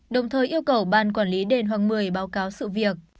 đồng thời yêu cầu ban quản lý đền hoàng một mươi báo cáo sự việc